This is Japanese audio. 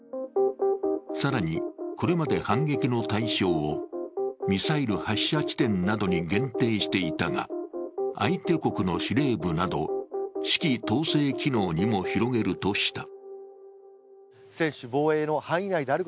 更に、これまで反撃の対象をミサイル発射地点などに限定していたが相手国の司令部など指揮統制機能にも広げるとした。